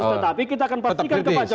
tetapi kita akan pastikan ke pak jokowi